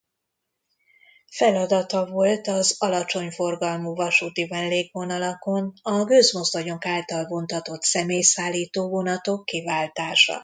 Feladata volt az alacsony forgalmú vasúti mellékvonalakon a gőzmozdonyok által vontatott személyszállító vonatok kiváltása.